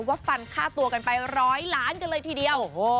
ฟันค่าตัวกันไปร้อยล้านกันเลยทีเดียว